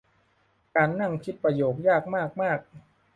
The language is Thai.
การนั่งคิดประโยคยากมากมาก